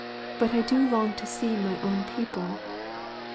But I do long to see my own people.